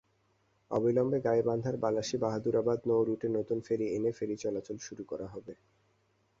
অবিলম্বে গাইবান্ধার বালাসী-বাহাদুরাবাদ নৌরুটে নতুন ফেরি এনে ফেরি চলাচল শুরু করা হবে।